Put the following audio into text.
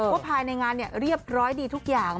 ภายในงานเรียบร้อยดีทุกอย่าง